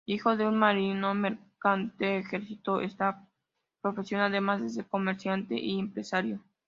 Hijo de un marino mercante, ejerció esta profesión además de ser comerciante y empresario.